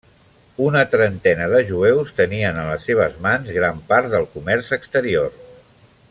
Una trentena de jueus tenien en les seves mans gran part del comerç exterior.